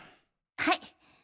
はい。